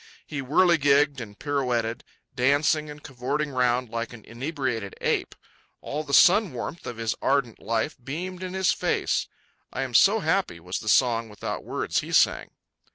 He whirligigged and pirouetted, dancing and cavorting round like an inebriated ape. All the sun warmth of his ardent life beamed in his face. I am so happy, was the song without words he sang.